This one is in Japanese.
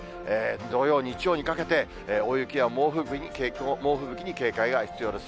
土曜、日曜にかけて、大雪や猛吹雪に警戒が必要です。